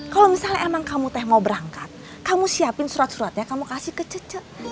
kalau misalnya emang kamu teh mau berangkat kamu siapin surat suratnya kamu kasih ke cece